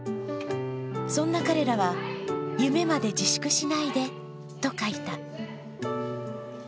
そんな彼らは、夢まで自粛しないでと書いた。